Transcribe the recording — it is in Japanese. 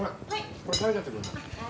これ下げちゃってください。